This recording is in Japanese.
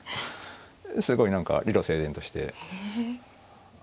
すごい何か理路整然として。